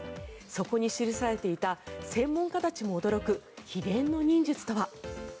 そこに記されていた専門家たちも驚く秘伝の忍術とは。